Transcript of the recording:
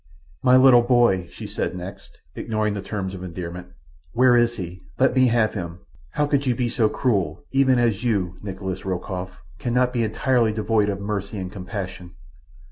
"My little boy," she said next, ignoring the terms of endearment—"where is he? Let me have him. How could you be so cruel—even as you—Nikolas Rokoff—cannot be entirely devoid of mercy and compassion?